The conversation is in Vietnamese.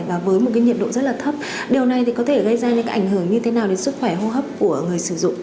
và với một nhiệt độ rất thấp điều này có thể gây ra ảnh hưởng như thế nào đến sức khỏe hô hấp của người sử dụng